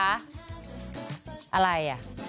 อะไรเหาะ